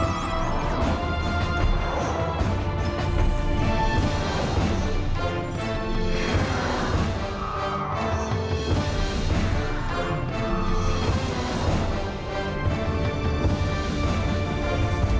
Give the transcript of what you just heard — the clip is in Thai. มันมีหลายจุดที่จะต้องกล้าคิดกล้าทำ